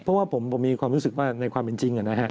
เพราะผมมีความรู้สึกว่านายความเป็นจริง